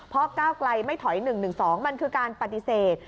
เพราะก้าวไกลไม่ถอย๑๑๒มันคือการปฏิเสธ